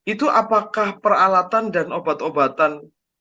itu apakah peralatan dan obat obatan